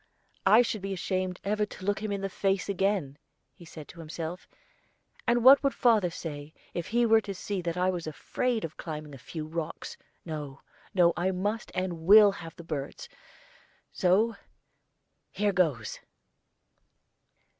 "I should be ashamed ever to look him in the face again," said he to himself; "and what would father say if he were to see that I was afraid of climbing a few rocks? No, no. I must and will have the birds; so here goes!"